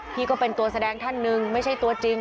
ที่เป็นตัวแสดงท่านหนึ่งไม่ใช่ตัวจริง